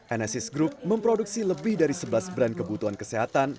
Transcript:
enesis group memproduksi lebih dari sebelas brand kebutuhan kesehatan